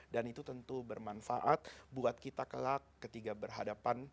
dan itu tentu bermanfaat buat kita kelak ketika berhadapan